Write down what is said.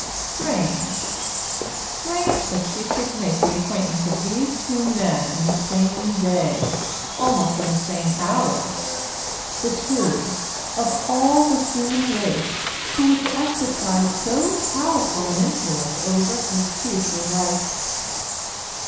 Strange strange that she should make the acquaintance of these two men in the same day, almost in the same hour; the two, of all the human race, who were to exercise so powerful an influence over her future life!